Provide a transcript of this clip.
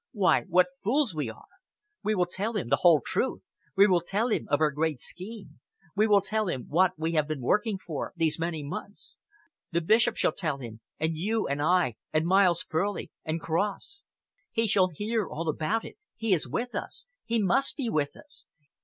Why, what fools we are! We will tell him the whole truth. We will tell him of our great scheme. We will tell him what we have been working for, these many months. The Bishop shall tell him, and you and I, and Miles Furley, and Cross. He shall hear all about it. He is with us! He must be with us!